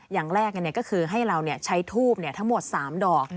อย่างแรกก็คือให้เราใช้ทูบทั้งหมด๓ดอก